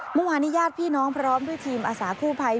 เมื่อวานนี้ญาติพี่น้องพร้อมด้วยทีมอาสากู้ภัย